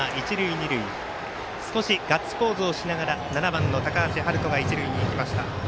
少しガッツポーズをしながら７番の高橋陽大が一塁に行きました。